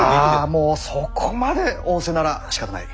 あもうそこまで仰せならしかたない。